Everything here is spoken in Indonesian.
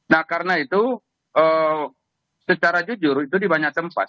nah karena itu secara jujur itu di banyak tempat